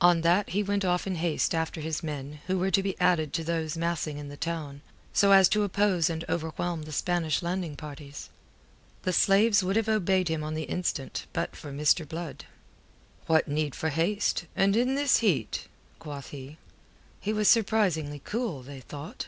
On that he went off in haste after his men, who were to be added to those massing in the town, so as to oppose and overwhelm the Spanish landing parties. The slaves would have obeyed him on the instant but for Mr. Blood. "What need for haste, and in this heat?" quoth he. He was surprisingly cool, they thought.